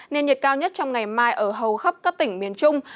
nên nhiệt cao nhất trong ngày mai ở hầu khắp các tỉnh miền trung